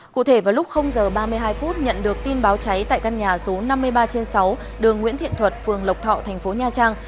cụ thể vào lúc giờ ba mươi hai phút nhận được tin báo cháy tại căn nhà số năm mươi ba trên sáu đường nguyễn thiện thuật phường lộc thọ thành phố nha trang